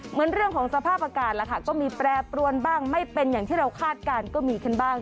เหมือนเรื่องของสภาพอากาศล่ะค่ะก็มีแปรปรวนบ้างไม่เป็นอย่างที่เราคาดการณ์ก็มีขึ้นบ้าง